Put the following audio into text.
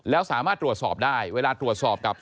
แล้วสามารถตรวจสอบได้เวลาตรวจสอบกับ